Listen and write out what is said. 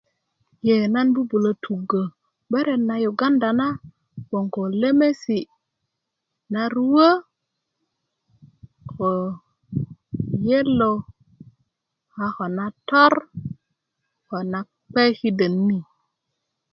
e nan bibulö tugö beret na yuganada na gboŋ ko lemesi' naruö ko yello a ko na tor ko nakpe kiden ni